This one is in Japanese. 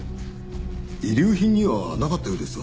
遺留品にはなかったようですが。